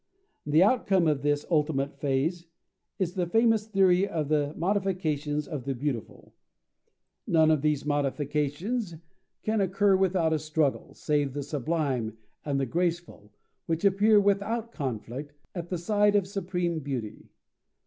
The outcome of this ultimate phase is the famous theory of the Modifications of the Beautiful. None of these modifications can occur without a struggle, save the sublime and the graceful, which appear without conflict at the side of supreme beauty.